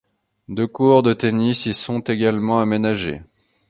Deux courts de tennis y sont également aménagés.